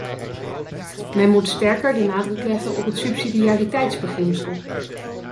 Men moet sterker de nadruk leggen op het subsidiariteitsbeginsel.